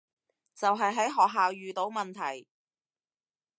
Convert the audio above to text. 就係喺學校遇到問題